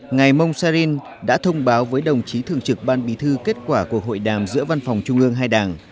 ngài monsarin đã thông báo với đồng chí thường trực ban bí thư kết quả cuộc hội đàm giữa văn phòng trung ương hai đảng